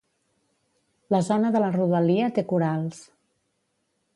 La zona de la rodalia té corals.